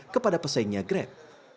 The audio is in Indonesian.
kepada persaingnya grab